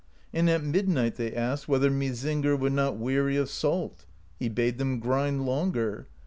And at midnight they asked whether Mysingr were not weary of salt. He bade them grind longer.